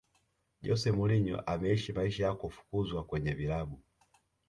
jose mourinho ameisha maisha ya kufukuzwa kwenye vilabu